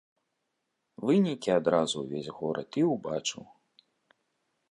Вынікі адразу ўвесь горад і ўбачыў.